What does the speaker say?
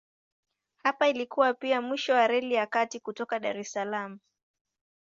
Hapa ilikuwa pia mwisho wa Reli ya Kati kutoka Dar es Salaam.